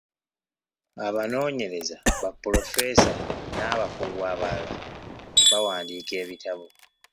Abanoonyereza, ba pulofeesa, n'abakugu ablala bawandiika ebitabo.